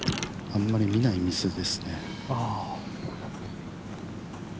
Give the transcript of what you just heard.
あんまり見ないミスですね。